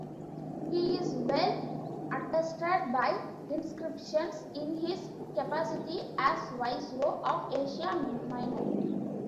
He is well attested by inscriptions in his capacity as vice-roy of Asia Minor.